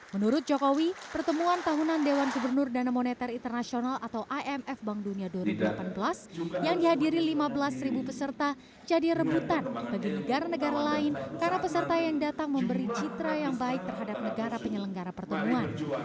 menurut jokowi pertemuan tahunan dewan gubernur dana moneter internasional atau imf bank dunia dua ribu delapan belas yang dihadiri lima belas peserta jadi rebutan bagi negara negara lain karena peserta yang datang memberi citra yang baik terhadap negara penyelenggara pertemuan